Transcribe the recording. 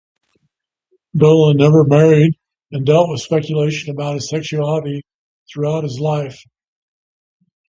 Dolan never married and dealt with speculation about his sexuality throughout his life.